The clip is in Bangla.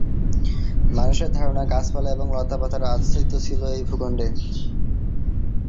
মানুষের ধারণা গাছপালা এবং লতা পাতার আচ্ছাদিত ছিল এই ভূখণ্ডে।